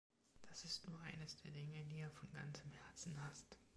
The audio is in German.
Das ist nur eines der Dinge, die er von ganzem Herzen hasst.